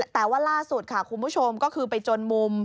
แต่ว่าล่าสุดค่ะคุณผู้ชมก็คือไปจนมุม